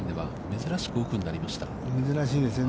珍しいですよね。